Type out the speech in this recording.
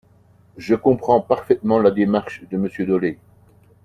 Je comprends parfaitement la démarche de Monsieur Dolez.